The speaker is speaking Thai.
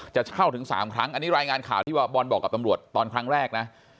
จะเช่าถึง๓ครั้งอันนี้รายงานข่าวที่ว่าบอลบอกกับตำรวจตอนครั้งแรกนะ